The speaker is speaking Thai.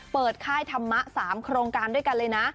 ค่ายธรรมะ๓โครงการด้วยกันเลยนะ